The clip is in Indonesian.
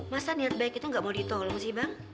masa niat baik itu gak mau ditolong sih bang